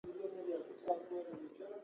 د ټولنیز او خصوصي کار ترمنځ ژور تضاد موجود دی